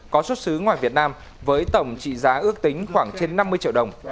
có xuất xứ ngoài việt nam với tổng trị giá ước tính khoảng trên năm mươi triệu đồng